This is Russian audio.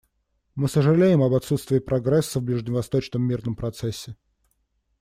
Мы сожалеем об отсутствии прогресса в ближневосточном мирном процессе.